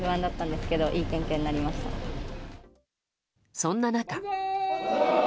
そんな中。